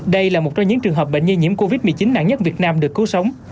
đây là một trong những trường hợp bệnh nhi nhiễm covid một mươi chín nặng nhất việt nam được cứu sống